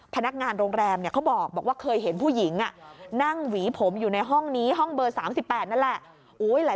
พนักงานโรงแรมเขาบอกว่าเคยเห็นผู้หญิงนั่งหวีผมอยู่ในห้องนี้ห้องเบอร์๓๘นั่นแหละ